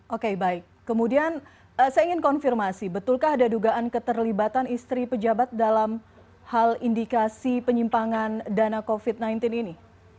oke baik kemudian saya ingin konfirmasi betulkah ada dugaan keterlibatan istri pejabat dalam hal indikasi penyimpangan dana covid sembilan belas ini